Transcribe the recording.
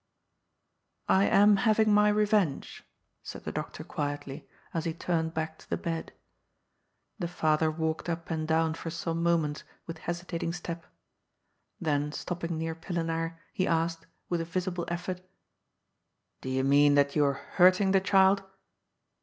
" I am having my revenge," said the doctor quietly, as he turned back to the bed. The father walked up and down for some moments with hesitating step. Then stopping near Pillenaar, he asked, with a visible effort :" Do you mean that you are hurting the child